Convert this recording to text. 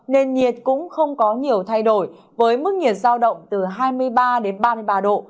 nền nhiệt cũng không có nhiều thay đổi với mức nhiệt giao động từ hai mươi ba đến ba mươi ba độ